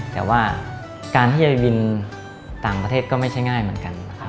แต่ว่าการที่จะไปบินต่างประเทศก็ไม่ใช่ง่ายเหมือนกันนะครับ